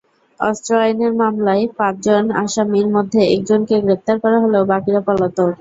অস্ত্র আইনের মামলায় পাঁচজন আসামির মধ্যে একজনকে গ্রেপ্তার করা হলেও বাকিরা পলাতক।